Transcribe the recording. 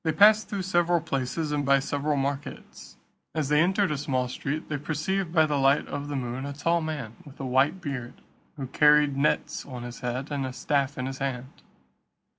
They passed through several places, and by several markets. As they entered a small street, they perceived by the light of the moon, a tall man, with a white beard, who carried nets on his head, and a staff in his hand.